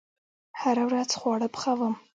هره ورځ خواړه پخوم